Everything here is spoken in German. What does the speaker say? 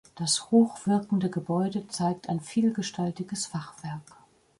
Das hoch wirkende Gebäude zeigt ein vielgestaltiges Fachwerk.